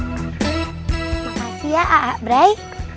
terima kasih ya a'abrey